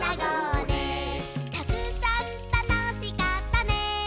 「たくさんたのしかったね」